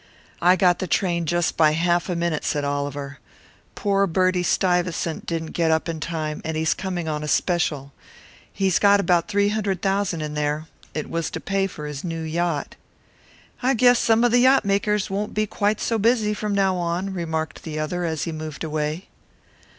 "I got the train just by half a minute," said Oliver. "Poor Bertie Stuyvesant didn't get up in time, and he's coming on a special he's got about three hundred thousand in here. It was to pay for his new yacht." "I guess some of the yacht makers won't be quite so busy from now on," remarked the other, as he moved away.